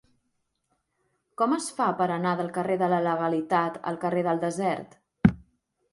Com es fa per anar del carrer de la Legalitat al carrer del Desert?